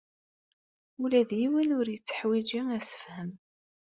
Ula d yiwen ur yetteḥwiji assefhem.